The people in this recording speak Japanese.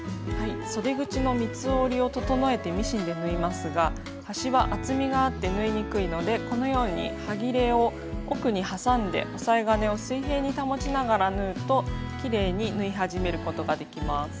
そで口の三つ折りを整えてミシンで縫いますが端は厚みがあって縫いにくいのでこのようにはぎれを奥に挟んで押さえ金を水平に保ちながら縫うときれいに縫い始めることができます。